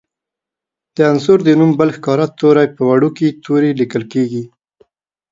د عنصر د نوم بل ښکاره توری په وړوکي توري لیکل کیږي.